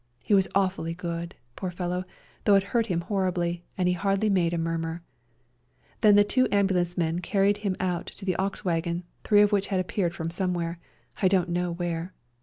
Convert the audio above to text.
He was awfully good, poor fellow, though it hurt him horribly, and he hardly made a murmur. Then two ambulance men car ried him out to the ox wagon, three of which had appeared from somewhere, I don't know where.